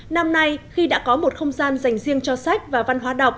năm nay khi đã có một không gian dành riêng cho sách và văn hóa đọc